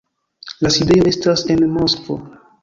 La sidejo estas en Moskvo.